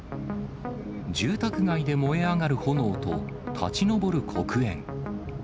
住宅街で燃え上がる炎と、立ち上る黒煙。